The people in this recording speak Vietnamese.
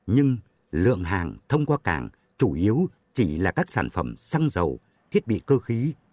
nhưng lượng hàng thông qua cảng chủ yếu chỉ là các sản phẩm xăng dầu thiết bị cơ khí